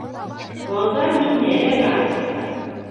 Балдар миндә лә бар!